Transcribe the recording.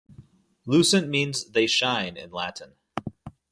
Lucent means "they shine" in Latin.